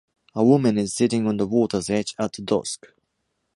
A woman is sitting on the water’s edge at the dusk.